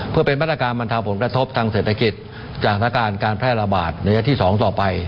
เพื่อเป็นมาตรการบรรเทาผลกระทบทางเศรษฐกิจจากสถานการณ์การแพร่ระบาดระยะที่๒ต่อไป